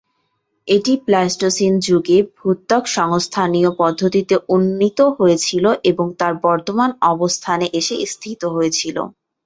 এটি প্লাইস্টোসিন যুগে ভূত্বক সংস্থানীয় পদ্ধতিতে উন্নীত হয়েছিল এবং তার বর্তমান অবস্থানে এসে স্থিত হয়েছিল।